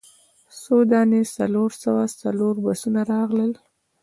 څو دانې څلور سوه څلور بسونه راغلل.